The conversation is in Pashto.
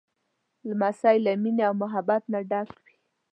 لمسی له مینې او رحمت نه ډک وي.